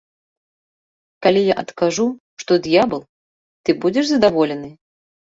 Калі я адкажу, што д'ябал, ты будзеш задаволены?